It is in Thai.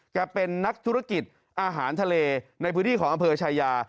เป็นนักธุรกิจอาหารทะเลในพื้นที่ของอำเภอชายา